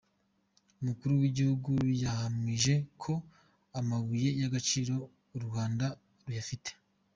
Umukuru w’Igihugu yahamije ko amabuye y’agaciro u Rwanda ruyafite.